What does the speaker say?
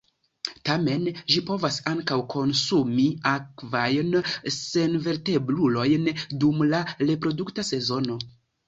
Tamen ĝi povas ankaŭ konsumi akvajn senvertebrulojn dum la reprodukta sezono.